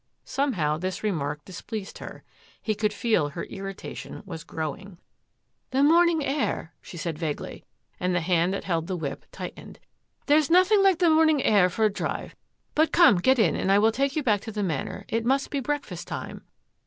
Somehow this remark displeased her. He could feel that her irritation was growing. 804 THAT AFFAIR AT THE MANOR " The morning air,'* she said vaguely, and the hand that held the whip tightened, " there is noth ing like the morning air for a drive. But come, get in and I will take you back to the Manor. It must be breakfast time."